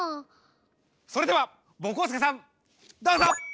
それではぼこすけさんどうぞ！